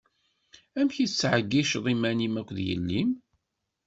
Amek i tettɛeyyiceḍ iman-im akked yelli-m?